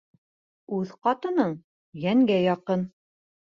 Үҙ ҡатының йәнгә яҡын.